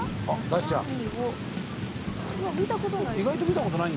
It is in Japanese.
うわっ見たことない。